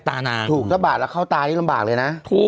ถูกก็บาดและเข้าตายังลำบากเลยนะ